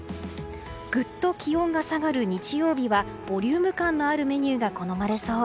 グッと気温が下がる日曜日はボリューム感のあるメニューが好まれそう。